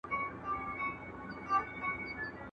¬ خر په سبا څه خبر.